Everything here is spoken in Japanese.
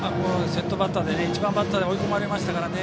先頭バッターで１番バッターで追い込まれましたからね。